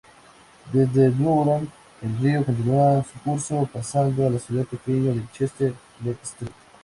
Desde Durham el río continua su curso pasando la ciudad pequeño de Chester-le Street.